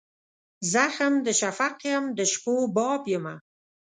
زخم د شفق یم د شپو باب یمه